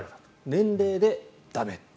年齢で駄目。